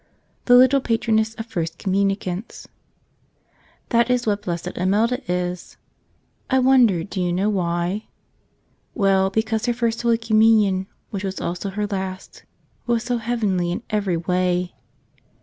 Cfre Htttle Patroness of JFftst Communicants CHAT is what Blessed Imelda is. I wonder do you know why? Well, because her First Holy Communion, which was also her last, was so heavenly in every way.